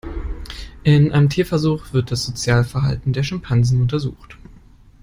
In einem Tierversuch wird das Sozialverhalten der Schimpansen untersucht.